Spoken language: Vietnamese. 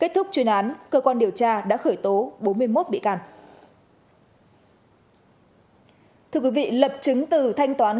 thưa quý vị lập chứng từ thanh toán